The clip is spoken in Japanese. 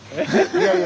いやいや。